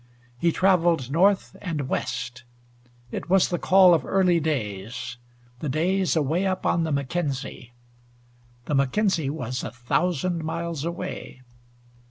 He traveled north and west. It was the call of early days the days away up on the Mackenzie. The Mackenzie was a thousand miles away.